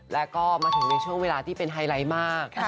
แล้วก็มาถึงในช่วงเวลาที่เป็นไฮไลท์มาก